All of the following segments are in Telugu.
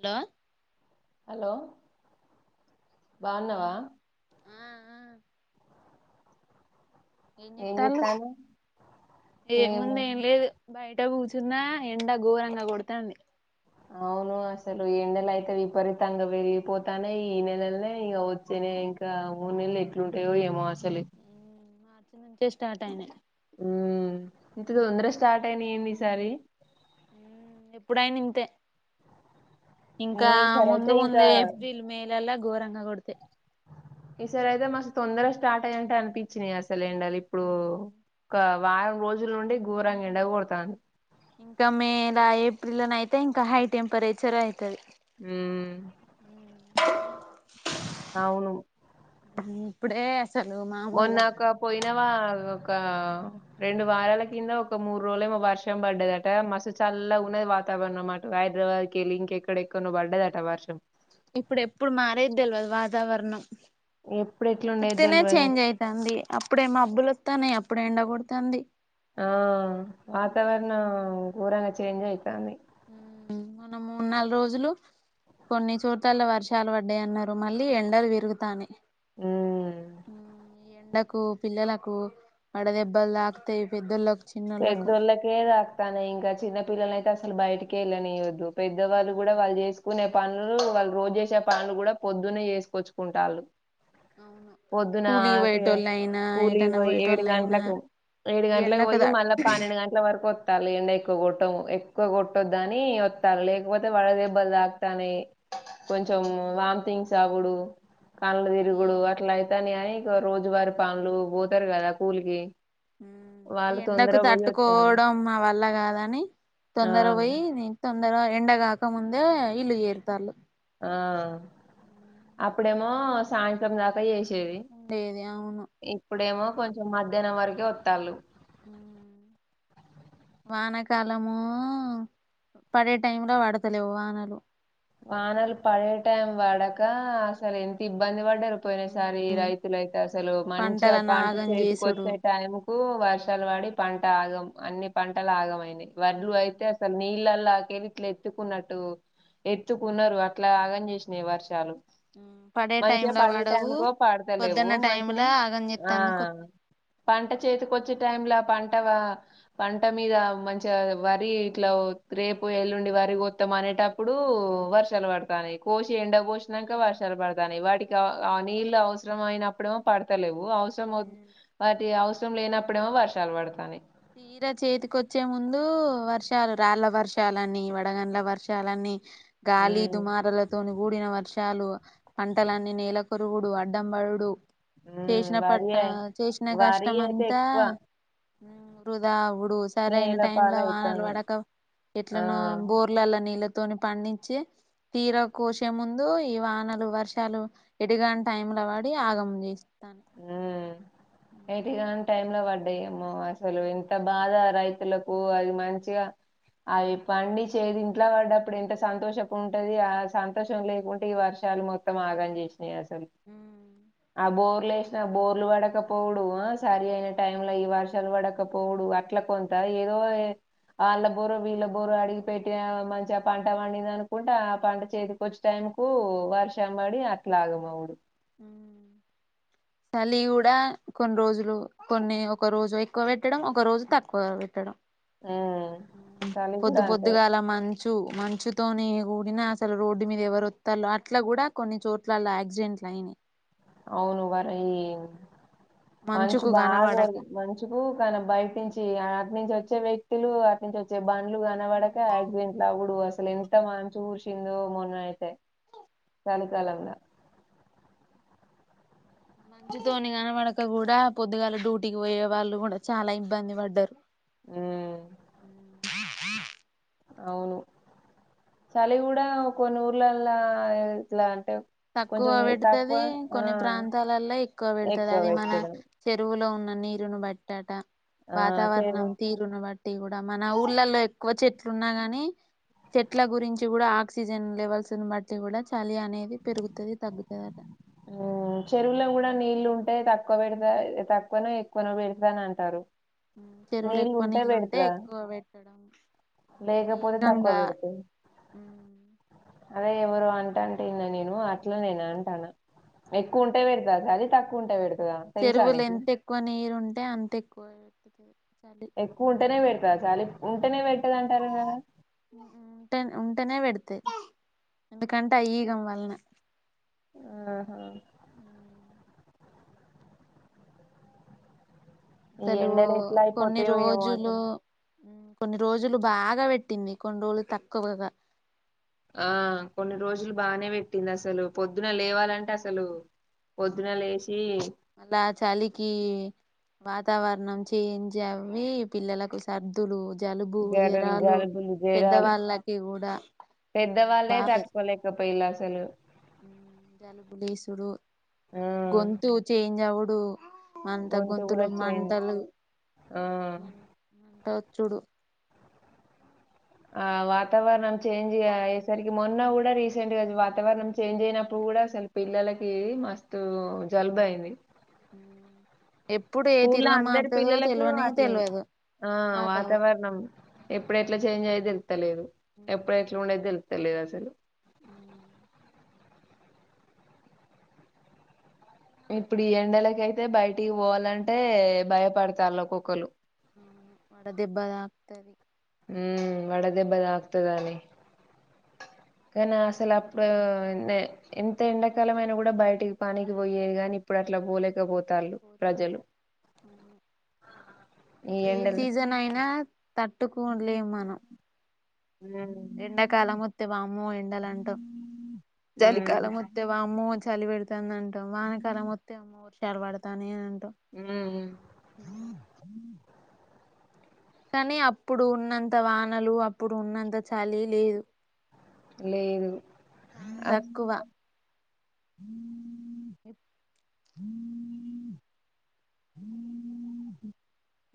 హలో హలో ఆ బాగున్నావా? ఆ ఆ ఏం చెత్తనారు ఏ ఏమో ముంది ఏం లేదు బయట కూర్చున్న ఎండ ఘోరంగా కొడతాంది అవును అసలు ఎండ లు అయితే విపరీతంగా పెరిగిపోతనాయ్ ఈ నెలలనే ఇక వచ్చే నెల ఇంకా మూడు నేలు ఎట్లుంటాయో ఏమో అసలు మార్చి నుంచే స్టార్ట్ అయినాయ్ ఉ ఇంత తొందర స్టార్ట్ అయినయి ఏంది ఈ సారి. ఎప్పుడైన ఇంతే ఇంకా ఏమో ఈసారి ముందు ముందు ఏప్రిల్, మేలలా గోరం ఈ సారి అయితే మస్త్ తొందరా స్టా స్టార్ట్ అయినట్టు అనిపించినయి అస్ లు ఎండలు ఇప్పుడు ఒక వారం రోజుల నుండి గోరంగా ఎండ గొడతాంది. ఇంకా మేలా, ఏప్రిల్లనయితే ఇంకా హై టెంపరేచర్ అయితది. ఉమ్ అవును ఉ ఇప్పుడే అస మొన్నా ఒక పోయినావా ఒక కా రెండు వారాల కింద ఒక మూడు రోజులేమో వర్షం బడ్డదటా. మస్తు చల్లగా ఉన్నది వాతావరణం అటు హైదరాబాద్ కెళ్ళి ఇంకెక్కడెక్కడనో బడ్డదట వర్షం. ఇప్పుడు ఎప్పుడు మారేది తెల్వదు వాతావరణం. ఎప్పుడు ఎట్లుండేది ఉత్తితనే తెల్వదు చేంజ్ అయితాంది. అప్పుడే మబ్బులొత్తానయి అప్ ఇప్పుడే ఎండకొడతాంది. ఆ వాతావరణం గోరంగా చేంజ్ అయితాంది. ఉమ్ మొన్న మూడు నాలుగు రోజులు కొన్ని చోట్లల్లా వర్షాలు పడ్డయి అన్నరు, మళ్ళీ ఎండలు పెరుగుతానయి. ఉమ్ ఆ ఈ ఎండ కు పిల్లలకు వడ దెబ్బలు తాకుతయి. పెద్దోళ్ళకు పెద్దోళ్ళకే తాకుతానయి ఇంకా చిన్నపిల్లలు అయితే అ సలు బయటికే ఎళ్లానీయొద్దు. పెద్దవాళ్ళు కూడా వాళ్ళు చేసుకునె పనులు వాళ్ళు రోజు చేసే పనులు కూడా పొద్దునే చేసుకొచ్చుకుంటాల్లు. అవును కూలీకి పోయేటోళ్ళు అయినా కూలి ఎటన్నా పోయి ఏడు పోయేటోళ్ళు అయినా గంటలకు ఏడు ఈ గంటలకు ఎండకు పోయి తటు మళ్ళా పన్నెండు గంటల వరకు వత్తాల్లు ఇగా ఎండ ఎక్కువ కొట్టం ఎక్కువ కొట్టొద్దని వత్తాలు లేకపోతే వడ దెబ్బలు తాకుతానయి. కొంచం వాంతింగ్స్ అవుడు కళ్ళు ఈ తిరుగుడు అట్లా అయితానయి అని రోజువారి పనులకు పోతరు కదా కూలికి హ్మ్ ఇ వాళ్ళు తొందర ఎండకు పోయి వత్తాలు తట్టుకోవడం మా వల్ల కాదని ఆ తొందర పోయి నేను తొ అందరు ఎండగాక ముందే ఇళ్లు చేరుర్తాలు ఆ అప్పుడేమో సాయంత్రం దాకా చేేసి చె ఉండేది అవును ఇప్పుడేమో కొంచెం మధ్యాహ్నం వరకే వత్తాలు వానకాలము పడే టైం లో పడతలేవు వానలు వానలు పడే టైం పడక అసలు ఎంత ఇబ్బంది పడ్డారు పోయిన సారి రైతులు అయితే అసలు పంటల మంచిగా పంట నాగం చేతికి చేసుడు వచ్చే టైం కు వర్షాలు పడి పంట ఆగం అన్ని పంటలు ఆగమైన వడ్లు అయితే అసలు నీ నీళ్లలా కెళ్ళి ఇట్ల ఎత్తుకున్నటు ఎత్తుకున్నారు అట్లా ఆగని చేసిం వర్షాలు పడే టైమ్ మంచిగా లో పడే పడవు టైంకో పడత లేవు పొద్దున్న టైమ్ మంచిగా లో ఆగం ఆ చెత్తంది కొత్త పంట చేతికి వచ్చి టై లో పంట పంట మీద మంచిగా వరి ఇట్లా రేపు ఎల్లుండి వరి కొత్తాం అనేటప్పుడు ప్పుడు వర్షాలు పడతానాయి కోసి ఎండ పోసినాంక వర్షాలు పడతానాయి వాటికి ఆ నీళ్ళు అవసరం అయినప్పుడేమో పడతలేవు అవసరం వాటి అవ అవసరం లేనప్పుడేమో వర్షాలు పడతానయి తీర చేతికిొచ్చే ముందు వర్షాలు రాళ్ళ వర్షాలన్నీ వడగంల వర్షాలని గాలి ఉమ్, దుమారల తోని గూడిన వర్ష చాలు పంటలన్నీ నేలకొరుగుడు అడ్డంబడుడు ఉమ్, చేసిన పట్ వరి అయి- చేసిన వరి కష్టం అయితే అంతా ఎక్కువ వృదా సరైన నేల టైం లో వానలు పాలవుతుంది పడక ఆ ఎట్లనో బోర్లలా నీ తోని పండించి తీర కోసే ముందు ఈ వానలు వర్షాలు ఎటుగాని టైం లో పడి ఆగం చేసి ఆ ఎటు కాని టైం లో పడ్ అడ అమ్మో అసలు ఎంత బాధ రైతులకు అది మంచిగా అవి పండి చేది ఇంట్లో పడ్డప్పుడు ఎంత సంతోషపు ఉంటది ఆ సంతోషం లేకుంటే ఈ వర్షాలు మొత్తం ఆగం చేసి ఏ అసలు అబో వేసినా బోర్లు పడక పోవుడు సరి అయిన టైం లో ఈ వర్షాలు పడకపోవడు అట్లా కొంత ఏదో వాళ్ళ బోర వీళ్ళ బోరు అడిగి పెట్టి మంచిగా పంట పండింది అనుకుంటే ఆ పంట చేతికి వచ్చే టైం కు వర్షం పడి అట్లా ఆగమవుడు చలి కూడా కొన్ని రోజులు కొన్ని ఒక రోజు ఎక్కువ పెట్టడం ఒక రోజు తక్కువ పెట్టడం ఉమ్ చలి కూడా పొద్దు అంతే పొద్దుగాలా మంచి మంచుతోనే కూడిన అసలు రోడ్డు మీద ఎవరు వస్తాలో అట్లా కూడా కొన్ని చోట్లల యాక్సిడెంట్ అయినయి అవును వర ఈ మంచు మంచుకు కనబడక బాగదు మంచుకు కానీ బయట నుంచి అటు నుంచి వచ్చి. వచ్చే వ్యక్తులు వాటి నుంచి వచ్చే. బాండ్లు గానావాడక యాక్సిడెంట్స్ లవ్వుడు వస్. అసలు ఎంత మంచు కుర్షిందో మొన్న అయితే. చలికాలం గా. మంచుతోని కనబడక కూడా పొద్దుగాల డ్యూటీకి పోయే వాళ్ళు కూడా చాలా ఇబ్బంది పడ్డారు. ఉమ్, ఉమ్ అవును చలి కూడా కొన్ని ఊర్లలా ఇట్లా. తక్కువ కొంచెం తక్కువ పెడుతుది ఆ, కొన్ని ప్రాంతాలల్లో ఎక్కువ పెడుతుది అది మన చెరువులో ఉన్ నీరును బట్టీ ఆట. ఆ, చెరు వాతావరణం తీరును బట్. కూడా మన ఊర్లలో ఎక్కువ చెట్లు ఉన్నా గాని చెట్ల గురించి కూడా ఆక్సిజన్ లెవెల్స్ ను బట్టి కూడా చలి అనేది. పెరుగుతది తగ్గుతది అంట. ఉమ్ చెరువులో కూడా నీళ్ళు ఉంటాయి తక్కు. తక్కువ పెడతా తక్కువనో ఎక్కువనో పెడతాన అంటారు. ఉమ్ చెరువుల నీళ్లు ఎక్కువ నీళ్ళు ఉంటే పెడతా ఎక్కువ పెట్టడం లేకపోతే తక్కువ ఏకంగా. పెడతా అదే ఎవరో అంటుంటే విన్న నేను అట్లనేనంటాన. ఎక్కువ ఉంటే ఉమ్ పెడతాద అది తక్కువ ఉంటే పెడుతదా తెలుసా నీకు. తే అంత ఎక్కువ [inaudible] ఎక్కువ ఉంటేనే పెడ్. చా చాలి ఉంటనే పెట్ ఉమ్ టనే ఉం. వెంటనే పెడితే ఎందుకంటే ఈగ వలన. ఆహా ఉమ్ ఈ అసలు ఎండలు ఎట్లా కొన్ని అయిపోతాయో ఏమో రోజులు అసలు. కొన్ని రోజులు బాగా పెట్టింది. కొన్ని రోజులు తక్కువగా. ఆహ్ కొన్ని రోజులు బాగానే పెట్. పట్టింది అసలు పొద్దున లేవాలంటే అసలు. పొద్దున ఉమ్ లేసి అలా చలికి. వాతావరణం చేంజ్ అవి పిల్లలకు సర్దులు. జలుబు జరలు జ్వరాలు జలుబులు జరాలు పెద్దవాళ్ళకి కూడా బాగా. పోయిండ్ల అసలు. జలుబులేసుడు ఆ గొంతు చేంజ్ అవుడు. డు మంట గొంతు గొంతులో కూడా చేంజ్ మంటలు ఆ వ చుడు ఆ వాతవరణం చేంజ్ అయేసరికి మోన్ న్నా కూడా రీసెంట్ గా వాతావరణం చేంజ్ అయినప్పుడు కూడా అసలు పిల్లలకి మస్తు జలుబు అయింది హ స్కూల్ లో అందరి పిల్లలకు అట్ల తెలియదు ఆ వాతావరణం ఎప్పుడు ఎట్లా చేంజ్ అయి లేదు ఎప్పుడట్లా ఉండేది తెలు తెలీదసలు ఉమ్ ఇప్పుడు ఈ ఎండలక అయితే బయటికి పోవాలంటే భయపడతారు లోక్కొక్కరు ఆ వడ దెబ్బ తాక్తది ఉమ్ వడ దెబ్బ తాక్తదని కానీ అసలు ఇప్పుడు అప్పుడు నే ఎంత ఎండాకాలం అయినా కూడా బయటికి పానికి పోయేది గాని ఇప్పుడు అట్లా పోలేకపోతే పోలేరు అవును ఈ ఏ ఎండలు సీజన్ అయినా తట్టుకోలేము మనం మ్మ్ ఎండాకాలం మొత్త వామ్మో ఎండలు అంటాం చలికాలం మొత్త వామ్మో చలి పెడుతుంద అంటాం వానకాలం మొత్త అమ్మో డ పడతానే అంటాం హ్మ్ కానీ అప్పుడు ఉన్నంత వానలు అప్పుడు ఉన్నంత చలి లేదు లేదు చాలా అ తక్కువ ఉమ్ ఇ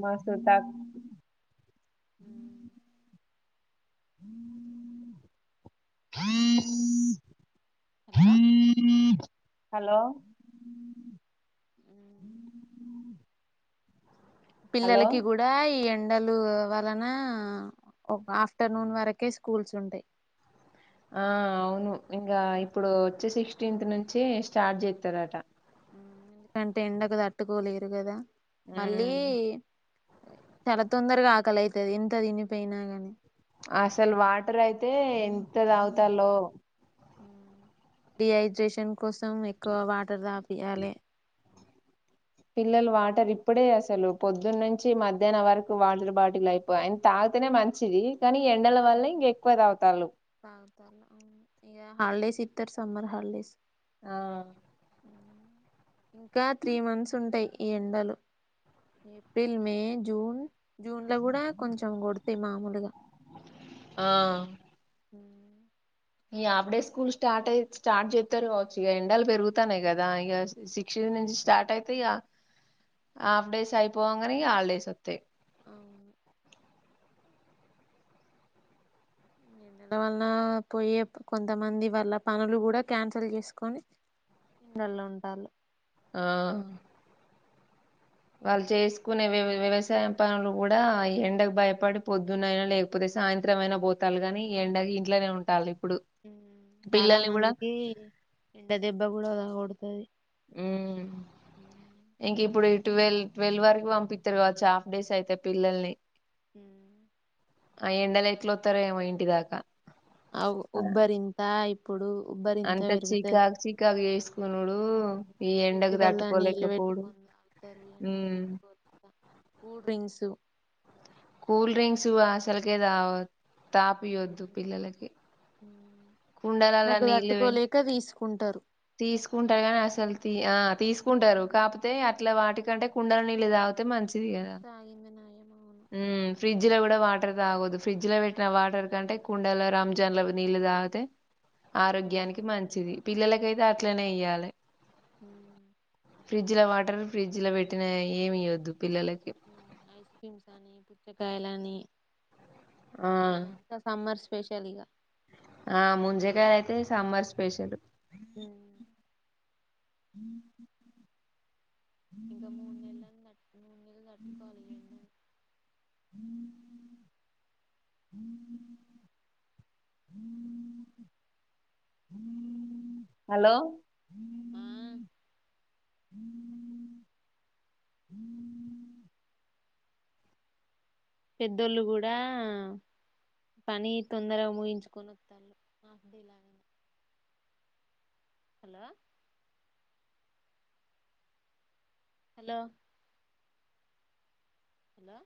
మా చుటా హ్మ్ ఆ హ హలో హలో [inaudible] హలో పిల్లలకి కూడా ఈ ఎం ఎండలు వలన ఒక ఆఫ్టర్నూన్ వరకే స్కూల్స్ ఉంటాయి ఆ అవును ఇంకా ఇప్పుడు వచ్చేసి ఫిఫ్టీన్ నుంచి స్టార్ట్ చేస్తారట ఎందుకంటే ఎండకుట్టుకోలేరు కదా మళ్ళీ ఉమ్ చాలా తొందరగా ఆకలి అైతది ఎంత త వినిపోయినా ని అసలు వాటర్ అయితే ఎంత తాగుతాలో డిహైడ్రేషన్ కోసం ఎక్కువ వాటర్ దపియాలి పిల్లలు వాటర్ ఇప్పుడే అసలు పొద్దున్న నుంచి మధ్యాహ్నం వరకు వాటర్ బాటిల్ అయిపోయి అ తాగితేనే మంచిది కానీ ఎండల వల్ల ఇంక ఎక్కువ త అవుతాలు ఇ హాలిడేస్ ఇతారు సమ్మర్ హాలిడేస్ ఆ ఇంకా త్రీ మంత్స్ ఉంటాయి ఈ ఎండలు ఏప్రిల్ మే జూన్ జూన్ లో కూడా కొంచెం కొడతాయి మామూలుగా ఆ హ ఈ హాఫ్ డేస్ స్కూల్ స్టార్ట్ అయి స్టార్ట్ చెప్తారు కావచ్చు ఇక ఎండాలు పెరుగుతాన్నాయి కదా ఇక సిక్స్ నుంచి స్టార్ట్ అయితే ఇ హాఫ్ డేస్ అయిపోవ కనీ హాఫ్ డేస్ వస్తాయి అవును న నెల వల్ల పోయే కొంతమంది వాళ్ళ పనులు కూడా క్యాన్సిల్ చేసుకొని ఇండలో ఉంటళ ఆ వాళ్ళు చేసుకునే వ వ్యవసాయం పనులు కూడా ఎండకు భయపడి పొద్దునయినా లేకపోతే సాయంత్రం అయినా పోతాలి కాని ఎండ ఇంట్లోనే ఉండాలి చాలా మందికి ఎండ దెబ్బ కూడా తగూడదు అ హ్మ్ ఇంక ఇప్పుడు ట్వెల్ ట్వల్వ్ వరకు పంపిస్తారు కావచ్చు, హాఫ్ డేస్ అయితే పిల్లల్ని. మ్మ్ ఆ ఎండెల ఎట్లత్తరో ఏమో ఇంటి దాకా ఆగు ఉబ్బరింత అయి ఇప్పుడు ఉబ్బరి ఇంత అంత పెరుగుతది, చికాకు చికాకు చేసుకునుడు ఈ ఎండకు ఫ్రిడ్జ్లలో నీళ్ళు తట్టుకోలేకపోవుడు పెట్టుకొని తాగుతారు, ఎండకు ఉమ్ దట్టుకో లేక కూల్ డ్రింక్స్. కూల్ డ్రింక్స్ అసల్ కే తాగ తాపియొద్దు ఉమ్, పిల్లలకి కుండలాల నీల్ వే కుంటరు తీసుకుంటా గాని అసలు తీ ఆ తీసుకుంటారు, కాకపోతే అట్లా వాటికంటే కుండల నీళ్ళు తాగితే మంచ్. తాగింది నాయమ్మ గూనా ఉమ్ ఫ్రిడ్జ్ లో కూడా వాటర్ తాగొద్దు ఫ్రిడ్జ్ లో, పెట్టిన వాటర్ కంటే కుండలో రంజాన్ల నీళ్లు తాగితే. ఆరోగ్యానికి మంచిది పిల్లల కైత్ దాట్లోనే ఇయ్యాలే అ ఫ్రిడ్జ్ లో వాటర్ ఫ్రిడ్జ్ లో పెట్టినయి అయ్యి ఏమియద్దు ఐస్ క్రీమ్స్ అని పిచక్ కాయలని ఆ ఇవి అంతా సమ్మర్స్ స్పెషల్ ఇగా ఆ ముంజకాయ అయితే సమ్మర్ స్పెషలు ఉ [inaudible] ఇంగ మూన్నెళ్లు [unintelligible] హలో ఆ పెద్దోళ్ళు గూడా పని తొందరగా ముగించుకొని వొత్తారు [inaudible] హలో హలో హలో